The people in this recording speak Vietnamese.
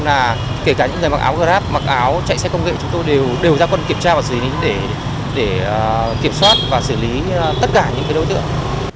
áo grab mặc áo chạy xe công nghệ chúng tôi đều gia quân kiểm tra và xử lý để kiểm soát và xử lý tất cả những đối tượng